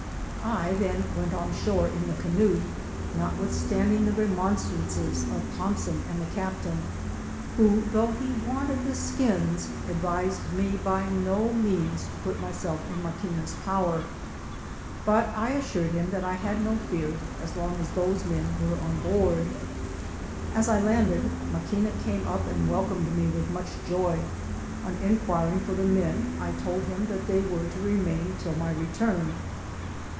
I then went on shore in the canoe, notwith standing the remonstrances of Thompson and the captain, who, though he wanted the skins, advised me by no means to put myself in Maquina's power; but I assured him that I had no fear as long as those men were on board. As I landed Maquina came up and welcomed me with much joy: on enquiriug for the men^^l told him that tfciey were to remain till my return.